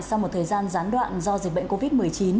sau một thời gian gián đoạn do dịch bệnh covid một mươi chín